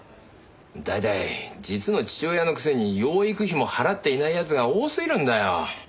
大体実の父親のくせに養育費も払っていない奴が多すぎるんだよ！